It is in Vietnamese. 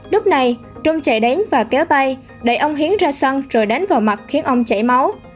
lúc này trung chạy đánh và kéo tay đẩy ông hiến ra sân rồi đánh vào mặt khiến ông chảy máu